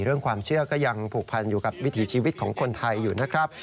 เรื่องความเชื่อก็ยังผูกพันอยู่กับวิถีชีวิตของคนไทยอยู่นะครับ